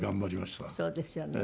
そうですよね。